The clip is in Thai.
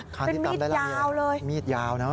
เป็นมีดยาวเลยมีดยาวนะ